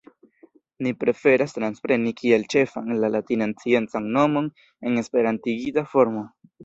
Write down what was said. Ni preferas transpreni kiel ĉefan la latinan sciencan nomon en esperantigita formo.